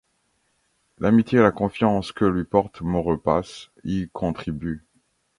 L'amitié et la confiance que lui porte Maurepas y contribuent.